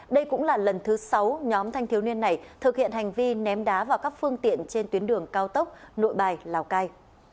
đây cũng là lần thứ sáu nhóm thanh thiếu niên này thực hiện hành vi ném đá vào các phương tiện trên tuyến đường cao tốc nội bài lào cai